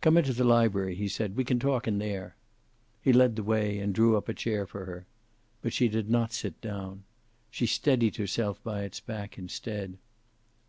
"Come into the library," he said. "We can talk in there." He led the way and drew up a chair for her. But she did not sit down. She steadied herself by its back, instead.